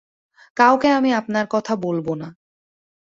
কাউকে আমি আপনার কথা বলব না।